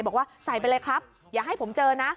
บอกว่าใส่ไปเลยครับอย่าให้ผมเจอนะ